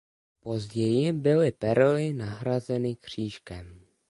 Později byly perly nahrazeny křížkem.